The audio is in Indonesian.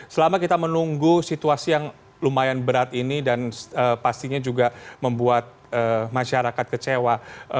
selama kita menunggu situasi yang lumayan berat ini dan pastinya juga membuat masyarakat kecewa